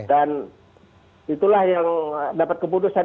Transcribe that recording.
dan itulah yang dapat keputusan